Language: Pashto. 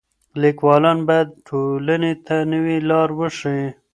ليکوالان بايد ټولني ته نوې لار وښيي.